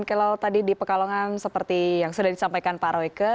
kalau tadi di pekalongan seperti yang sudah disampaikan pak royke